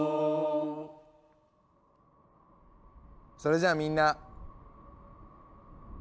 それじゃあみんな。